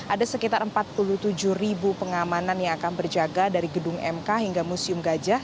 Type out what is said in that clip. ada sekitar empat puluh tujuh ribu pengamanan yang akan berjaga dari gedung mk hingga museum gajah